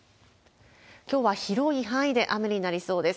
きょうは広い範囲で雨になりそうです。